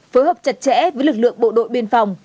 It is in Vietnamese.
phối hợp chặt chẽ với lực lượng bộ đội biên phòng